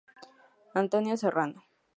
Antonio Serrano.